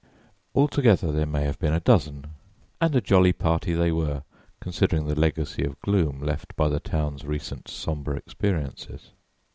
Altogether there may have been a dozen, and a jolly party they were, considering the legacy of gloom left by the town's recent sombre experiences.